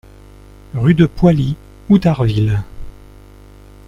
Rue de Poily, Outarville